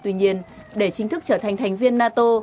tuy nhiên để chính thức trở thành thành viên nato